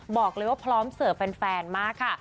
บอกเลยว่าพร้อมเสิร์ฟแฟนมากค่ะ